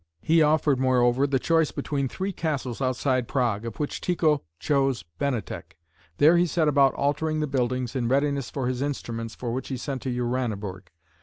He offered, moreover, the choice between three castles outside Prague, of which Tycho chose Benatek. There he set about altering the buildings in readiness for his instruments, for which he sent to Uraniborg.